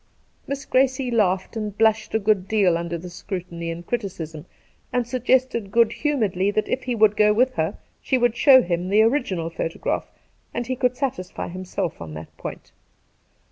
' Miss Grrace laughed and blushed a good deal under the scrutiny and criticism, and suggested good humouredly that if he would go with her she would show him the original photograph, and he could satisfy liimself on that point.